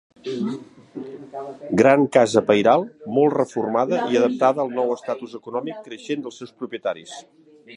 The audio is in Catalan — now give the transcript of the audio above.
Gran casa pairal, molt reformada i adaptada al nou estatus econòmic creixent dels seus propietaris.